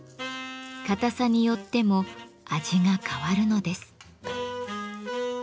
硬さによっても味が変わるのです。